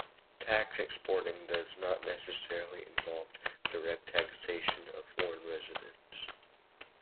Tax exporting does not necessarily involve direct taxation of foreign residents.